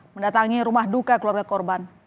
mendatangi rumah duka keluarga korban